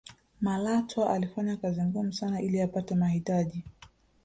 malatwa alifanya kazi ngumu sana ili apate mahitaji